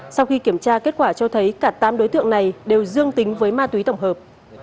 sau khi kiểm tra kết quả cho thấy cả tám đối tượng này đều dương tính với ma túy tổng hợp